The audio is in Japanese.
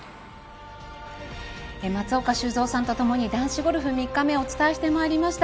松岡修造さんとともに男子ゴルフ３日目をお伝えしてまいりました。